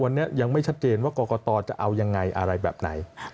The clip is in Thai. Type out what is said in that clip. วันนี้ยังไม่ชัดเจนว่ากรกตจะเอายังไงอะไรแบบไหน